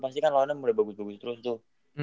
pasti kan lawannya mulai bagus bagus terus tuh